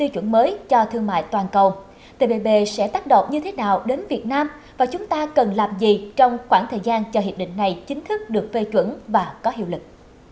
chúng ta sẽ tắt độ như thế nào đến việt nam và chúng ta cần làm gì trong khoảng thời gian cho hiệp định này chính thức được phê chuẩn và có hiệu lực